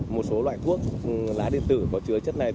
một số loại thuốc lá điện tử có chứa chất này